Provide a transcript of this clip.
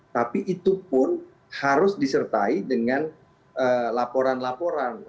tapi itu pun harus disertai dengan laporan laporan